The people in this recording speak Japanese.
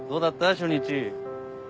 初日。